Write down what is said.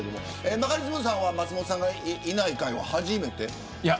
バカリズムさんは松本さんがいない回は初めて。